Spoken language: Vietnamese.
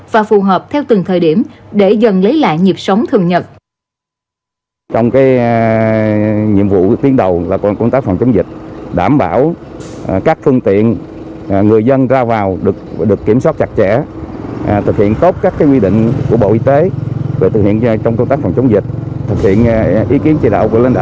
và phù hợp theo từng thời điểm để dần lấy lại nhịp sống thường nhật